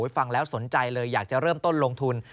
ฟังแล้วสนใจเลยอยากจะเริ่มต้นลงทุน